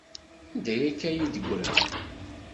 Anda akka ay d-yeggra?